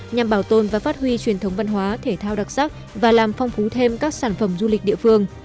nhằm bảo tồn và phát huy truyền thống văn hóa thể thao đặc sắc và làm phong phú thêm các sản phẩm du lịch địa phương